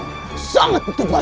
aku sangat begitu tahu